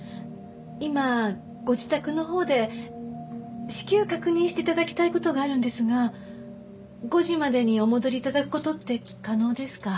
今ご自宅のほうで至急確認して頂きたい事があるんですが５時までにお戻り頂く事って可能ですか？